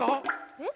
えっ？